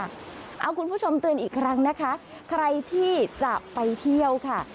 เอาคุณผู้ชมเตือนอีกครั้งนะคะใครที่จะไปเที่ยวค่ะ